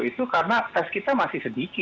itu karena tes kita masih sedikit